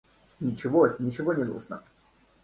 Ничего, ничего не нужно.